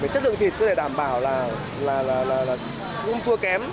chất lượng thịt có thể đảm bảo là cũng thua kém